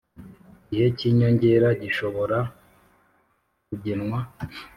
Gihe cy inyongera gishobora kugenwa